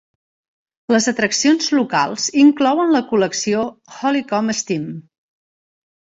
Les atraccions locals inclouen la col·lecció "Hollycombe Steam".